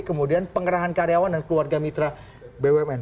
kemudian pengerahan karyawan dan keluarga mitra bumn